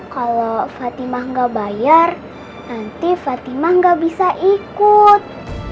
kalau fatimah gak bayar nanti fatimah gak bisa ikut